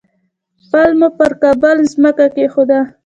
پل مو پر کابل مځکه کېښود.